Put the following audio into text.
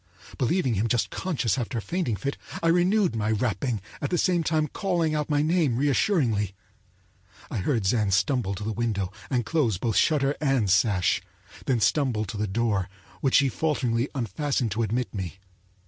Believing him just conscious after a fainting fit, I renewed my rapping, at the same time calling out my name reassuringly. I heard Zann stumble to the window and close both shutter and sash, then stumble to the door, which he falteringly unfastened to admit me.